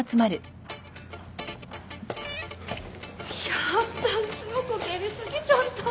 やだ強く蹴り過ぎちゃった。